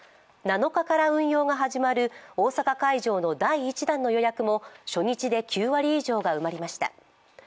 ７日から運用が始まる大阪会場の第１段の予約も初日で９割以上が埋まりました。